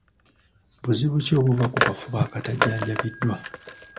Buzibu ki obuva ku kafuba akatajjanjabiddwa?